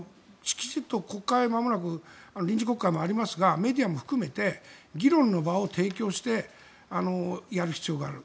きちんと国会はまもなく臨時国会もありますがメディアは議論の場を提供してやる必要がある。